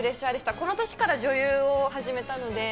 この年から女優を始めたんで。